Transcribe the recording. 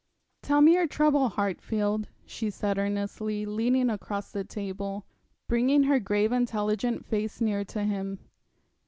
'Tell me your trouble, Hartfield,' she said, earnestly, leaning across the table, bringing her grave intelligent face near to him.